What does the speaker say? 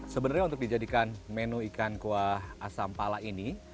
sebenarnya untuk dijadikan menu ikan kuah asam pala ini